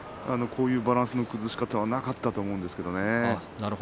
こういうバランスの崩し方はなかったと思うんですけどね。